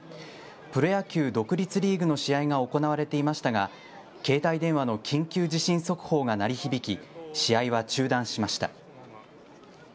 プロ野球独立リーグの試合が行われていましたが、携帯電話の緊急地震速報が鳴り響き、試合は中断しました。